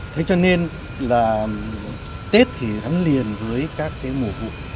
thế cho nên là tết thì gắn liền với các cái mùa vụ